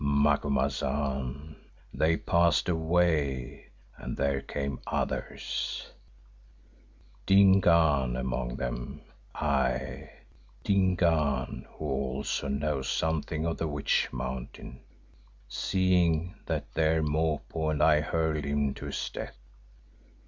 "Macumazahn, they passed away and there came others, Dingaan among them, aye, Dingaan who also knows something of the Witch Mountain, seeing that there Mopo and I hurled him to his death.